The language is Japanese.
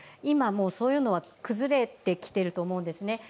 もうそういうのは崩れてきていると思うんですね。